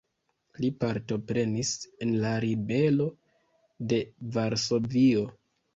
Li partoprenis en la Ribelo de Varsovio.